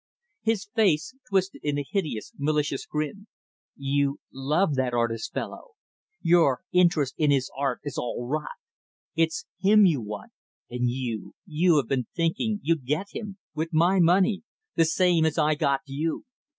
His face twisted in a hideous, malicious grin. "You love that artist fellow. Your interest in his art is all rot. It's him you want and you you have been thinking you'd get him with my money the same as I got you.